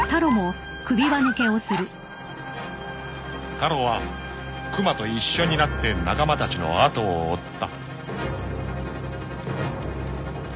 ［タロはクマと一緒になって仲間たちのあとを追った］